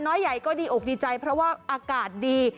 ใหญ่ก็ดีอกดีใจเพราะว่าอากาศดี